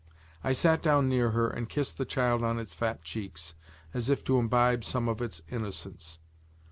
I sat down near her and kissed the child on its fat cheeks, as though to imbibe some of its innocence.